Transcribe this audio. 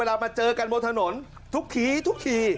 มาเจอกันบนถนนทุกทีทุกที